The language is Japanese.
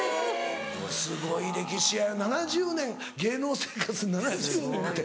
すごい歴史や７０年芸能生活７０年なんて。